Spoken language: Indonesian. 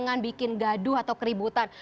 jangan bikin gaduh atau keributan